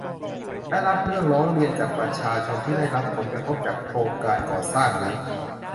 และรับเรื่องร้องเรียนจากประชาชนที่ได้รับผลกระทบจากโครงการก่อสร้างนั้น